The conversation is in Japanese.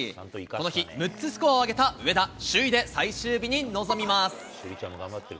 この日、６つスコアを上げた上田、首位で最終日に臨みます。